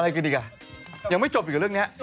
อะไรคืออีกอ่ะยังไม่จบอยู่กับเรื่องนี้